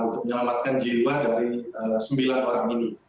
untuk menyelamatkan jiwa dari sembilan orang ini